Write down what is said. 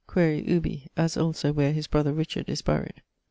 Quaere ubi: as also where his brother Richard is buried?